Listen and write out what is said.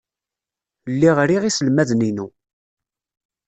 Lliɣ riɣ iselmaden-inu.